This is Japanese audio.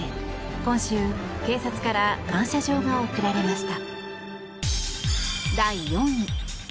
今週、警察から感謝状が贈られました。